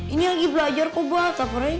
ini lagi belajar kok bapak pering